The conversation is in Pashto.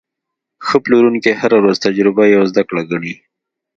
ښه پلورونکی هره تجربه یوه زده کړه ګڼي.